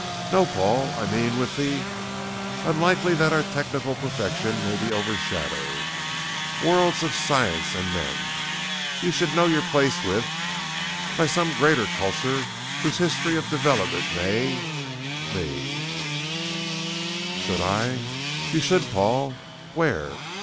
No, Paul, I mean with the_ unlikely that our technical perfection may be overshadowed worlds of science and men. You should know your place with by some greater culture whose history of development may me." "Should I?" "You should, Paul." "_Where?